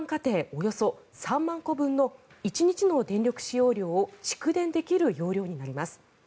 およそ３万戸分の１日の電力使用量を蓄電できる容量になります。